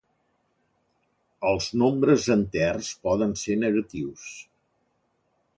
Els nombres enters poden ser negatius.